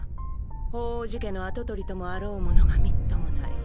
鳳凰寺家の跡取りともあろう者がみっともない。